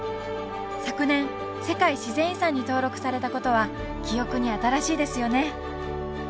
昨年世界自然遺産に登録されたことは記憶に新しいですよね